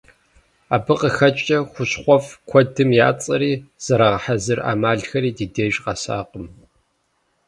Абы къыхэкӏкӏэ, хущхъуэфӏ куэдым я цӏэри, зэрагъэхьэзыр ӏэмалхэри ди деж къэсакъым.